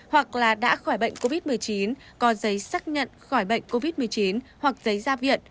hoặc là đã khỏi bệnh covid một mươi chín có giấy xác nhận khỏi bệnh covid một mươi chín hoặc giấy gia viện